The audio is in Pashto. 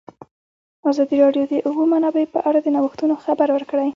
ازادي راډیو د د اوبو منابع په اړه د نوښتونو خبر ورکړی.